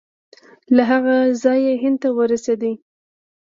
له هغه ځایه هند ته ورسېد.